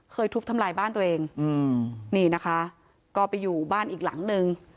ทุบทำลายบ้านตัวเองอืมนี่นะคะก็ไปอยู่บ้านอีกหลังนึง